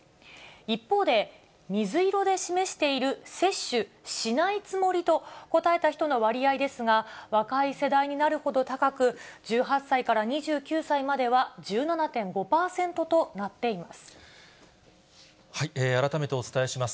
一方で、水色で示している接種しないつもりと答えた人の割合ですが、若い世代になるほど高く、１８歳から２９歳までは１７．５％とな改めてお伝えします。